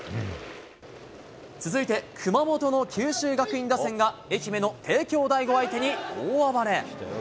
続いて熊本の九州学院打線が、愛媛の帝京第五相手に大暴れ。